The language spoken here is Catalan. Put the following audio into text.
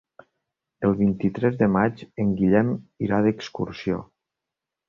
El vint-i-tres de maig en Guillem irà d'excursió.